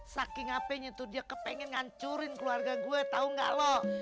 saking apenya tuh dia kepengen ngancurin keluarga gue tau nggak lo